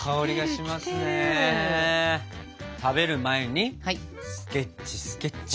食べる前にスケッチスケッチ。